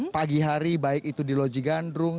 pagi hari baik itu di loji gandrung